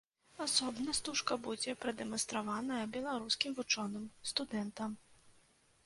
Асобна стужка будзе прадэманстраваная беларускім вучоным, студэнтам.